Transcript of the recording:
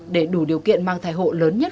để đủ điều kiện mang thai hộ lớn nhất